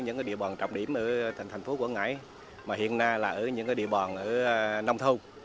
những địa bàn trọng điểm ở thành phố quảng ngãi mà hiện nay là ở những địa bàn ở nông thôn